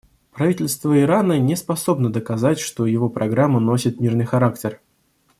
Правительство Ирана не способно доказать, что его программа носит мирный характер.